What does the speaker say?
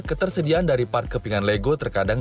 ketersediaan dari part kepingan lego terkadang